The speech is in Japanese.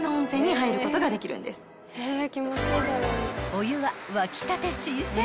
［お湯は沸きたて新鮮］